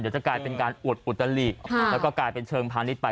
เดี๋ยวจะกลายเป็นการอวดอุตลิแล้วก็กลายเป็นเชิงพาณิชยไป